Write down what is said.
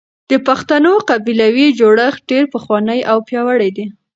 د پښتنو قبيلوي جوړښت ډېر پخوانی او پياوړی دی.